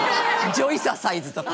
ジョイササイズとか。